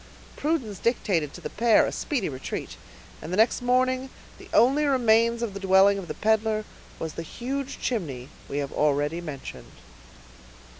Prudence dictated to the pair a speedy retreat; and the next morning, the only remains of the dwelling of the peddler was the huge chimney we have already mentioned.